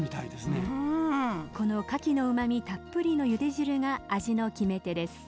このかきのうまみたっぷりのゆで汁が味の決め手です。